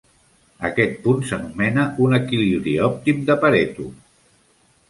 Aquest punt s'anomena un equilibri òptim de Pareto.